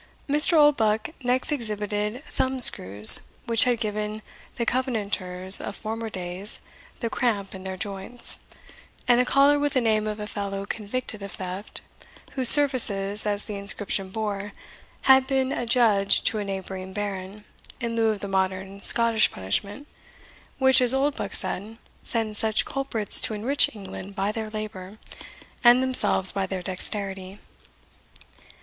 Mr. Oldbuck next exhibited thumb screws, which had given the Covenanters of former days the cramp in their joints, and a collar with the name of a fellow convicted of theft, whose services, as the inscription bore, had been adjudged to a neighbouring baron, in lieu of the modern Scottish punishment, which, as Oldbuck said, sends such culprits to enrich England by their labour, and themselves by their dexterity.